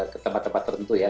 ke tempat tempat tertentu ya